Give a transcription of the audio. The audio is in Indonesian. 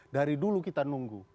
dari dulu kita nunggu